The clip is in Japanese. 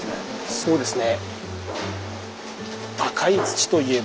そうですね。